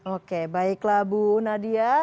oke baiklah bu nadia